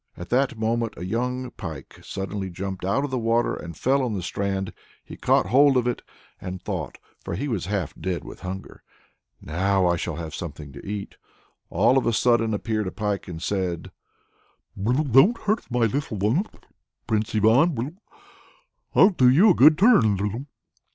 At that moment a young pike suddenly jumped out of the water and fell on the strand. He caught hold of it, and thought for he was half dead with hunger "Now I shall have something to eat." All of a sudden appeared a pike and said, "Don't hurt my little one, Prince Ivan; I'll do you a good turn."